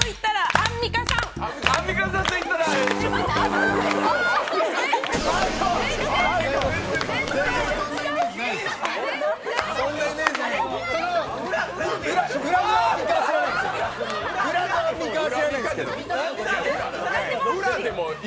アンミカさんといったらそんなイメージない。